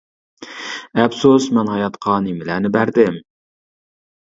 ئەپسۇس، مەن ھاياتقا نېمىلەرنى بەردىم؟ !